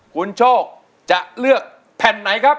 คุณโชคจะเลือกแผ่นไหนครับ